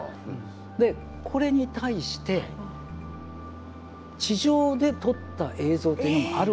でこれに対して地上で撮った映像というのもあるわけですよね。